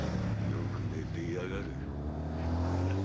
よく寝ていやがる。